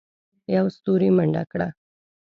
يوه ستوري منډه وکړه.